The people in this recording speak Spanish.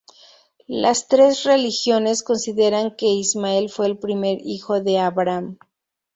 Las tres religiones consideran que Ismael fue el primer hijo de Abraham.